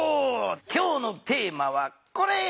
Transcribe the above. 今日のテーマはこれ！